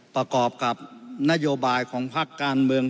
ประกอบกับนโยบายของพักการเมือง